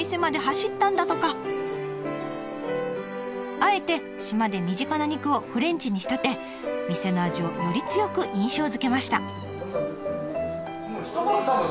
あえて島で身近な肉をフレンチに仕立て店の味をより強く印象づけました。